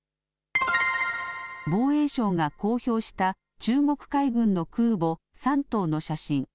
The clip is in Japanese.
防衛省が公表した中国海軍の空母、山東の写真。